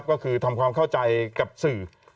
ก็คือทำความเข้าใจกับสื่อ